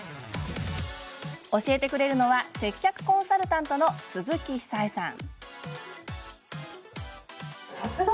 教えてくれるのは接客コンサルタントの鈴木比砂江さん。